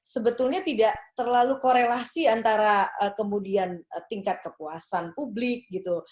sebetulnya tidak terlalu korelasi antara kemudian tingkat kepuasan publik gitu